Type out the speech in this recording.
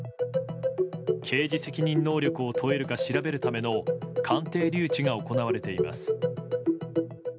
刑事責任能力を問えるか調べるための鑑定留置が行われています。